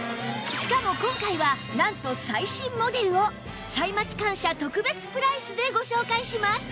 しかも今回はなんと最新モデルを歳末感謝特別プライスでご紹介します！